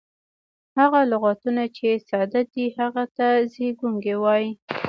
هغه لغتونه، چي ساده دي هغه ته زېږوونکی وایي.